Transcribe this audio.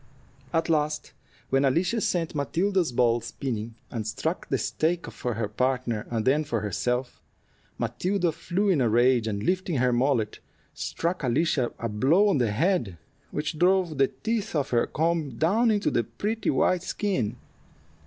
At last when Alicia sent Matilda's ball spinning, and struck the stake for her partner and then for herself, Matilda flew in a rage, and lifting her mallet, struck Alicia a blow on the head, which drove the teeth of her comb down into the pretty white skin.